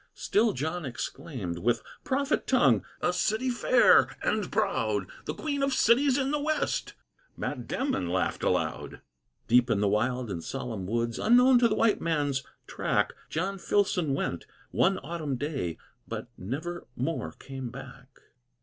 Still John exclaimed, with prophet tongue, "A city fair and proud, The Queen of Cities in the West!" Mat Denman laughed aloud. Deep in the wild and solemn woods Unknown to white man's track, John Filson went, one autumn day, But nevermore came back.